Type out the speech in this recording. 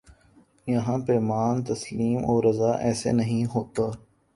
یہاں پیمان تسلیم و رضا ایسے نہیں ہوتا